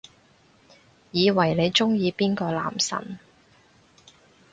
以為你鍾意邊個男神